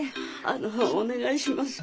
あのお願いします。